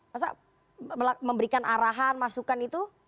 masa memberikan arahan masukan itu